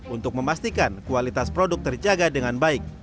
untuk memastikan kualitas produk terjaga dengan baik